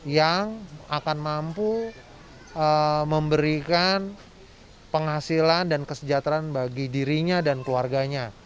yang akan mampu memberikan penghasilan dan kesejahteraan bagi dirinya dan keluarganya